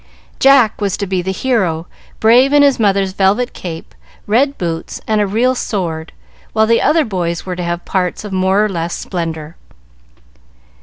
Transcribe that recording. Jack was to be the hero, brave in his mother's velvet cape, red boots, and a real sword, while the other boys were to have parts of more or less splendor.